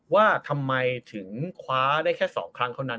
ว่าทำไมถึงคว้าได้แค่๒ครั้งเท่านั้น